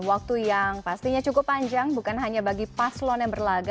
waktu yang pastinya cukup panjang bukan hanya bagi paslon yang berlaga